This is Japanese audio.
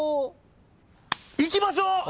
いきましょう。